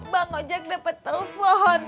bang ojak dapet telepon